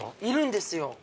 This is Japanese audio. いるんですよ。